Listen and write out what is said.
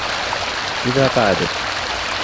إذَا قَعَدْت